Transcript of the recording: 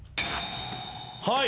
はい。